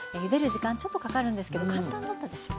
時間ちょっとかかるんですけど簡単だったでしょ？